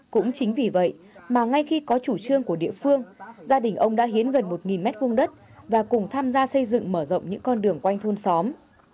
cũng chính vì vậy mà ngay khi có chủ trương của địa phương gia đình ông đã hiến gần một m hai đất và cùng tham gia xây dựng mở rộng những con đường quanh thôn xóm